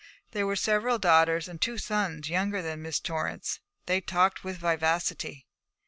There were several daughters and two sons younger than Miss Torrance. They talked with vivacity.